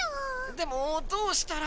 でもどうしたら。